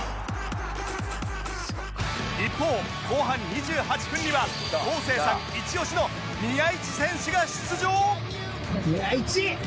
一方後半２８分には昴生さんイチオシの宮市選手が出場！